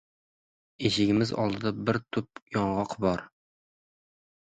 Eshigimiz oldida bir tup yong‘oq bor.